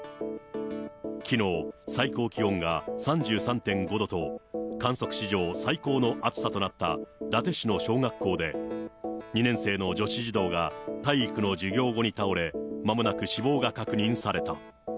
きのう、最高気温が３３．５度と、観測史上最高の暑さとなった伊達市の小学校で、２年生の女子児童が体育の授業後に倒れ、まもなく死亡が確認された。